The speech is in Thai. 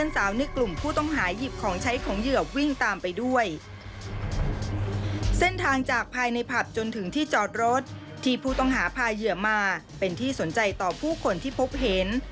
เส้นทางจากภายในผับจนถึงที่จอดรถที่ผู้ต้องหาพาเหยื่อมาเป็นที่สนใจต่อผู้คนที่พบเห็น